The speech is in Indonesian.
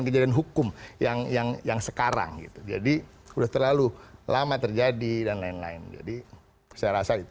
kejadian hukum yang yang sekarang gitu jadi sudah terlalu lama terjadi dan lain lain jadi saya rasa itu